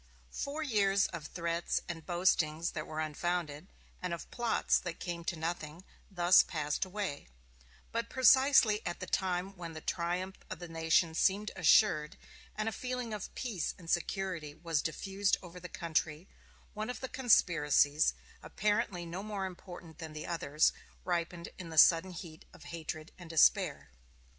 Four years of threats and boastings that were unfounded, and of plots that came to nothing, thus passed away; but precisely at the time when the triumph of the nation seemed assured, and a feeling of peace and security was diffused over the country, one of the conspiracies, apparently no more important than the others, ripened in the sudden heat of hatred and despair.